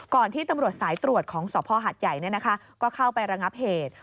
ที่ตำรวจสายตรวจของสภหัดใหญ่ก็เข้าไประงับเหตุ